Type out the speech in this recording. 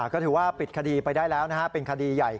ก็ถือว่าปิดคดีไปได้แล้วเป็นคดีใหญ่